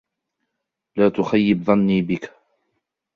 لا تخيب ظني بك!